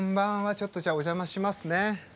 ちょっとじゃあお邪魔しますね。